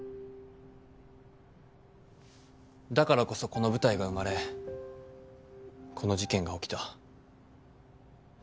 だからこそこの舞台が生まれこの事件が起きた。